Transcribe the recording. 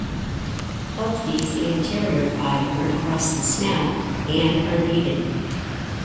Of these the anterior five run across the snout and are beaded.